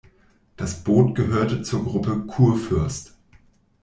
Das Boot gehörte zur Gruppe "Kurfürst".